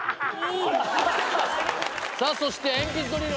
さあそして鉛筆ドリル。